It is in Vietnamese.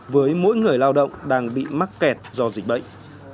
với mỗi người lao động đang bị mắc kẹt do dịch bệnh